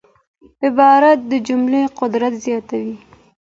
عبارت د جملې قوت زیاتوي.